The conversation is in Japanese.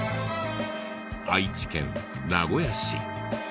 愛知県名古屋市。